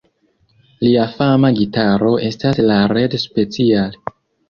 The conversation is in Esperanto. Lia fama gitaro estas la Red Special.